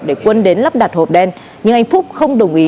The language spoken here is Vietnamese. để quân đến lắp đặt hộp đen nhưng anh phúc không đồng ý